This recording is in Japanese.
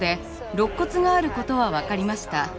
ろっ骨があることは分かりました。